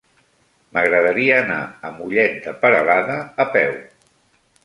M'agradaria anar a Mollet de Peralada a peu.